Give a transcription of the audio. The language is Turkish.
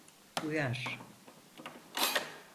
Uyar…